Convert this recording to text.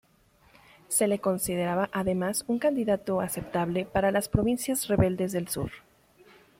Se le consideraba además un candidato aceptable para las provincias rebeldes del sur.